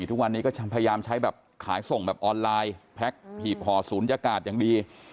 ทุกวันนี้ก็พยายามใช้แบบขายส่งแบบออนไลน์แพ็คหีบห่อศูนยากาศอย่างดี